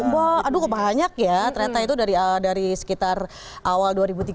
waduh banyak ya ternyata itu dari sekitar awal dua ribu tiga belas